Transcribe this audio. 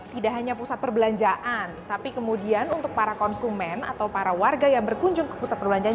tidak hanya pusat perbelanjaan tapi kemudian untuk para konsumen atau para warga yang berkunjung ke pusat perbelanjaan